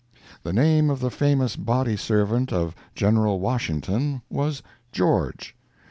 The name of the famous body servant of General Washington was George.